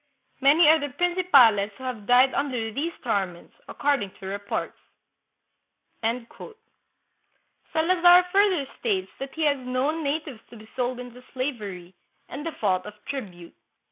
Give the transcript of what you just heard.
Many are the prin cipales who have died under these torments, according to reports." Salazar further states that he has known natives to be sold into slavery, in default of tribute.